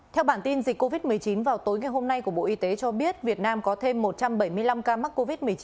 theo bản tin dịch covid một mươi chín vào tối ngày hôm nay của bộ y tế cho biết việt nam có thêm một trăm bảy mươi năm ca mắc covid một mươi chín